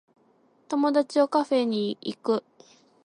友達をカフェに行く